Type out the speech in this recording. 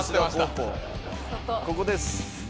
ここです。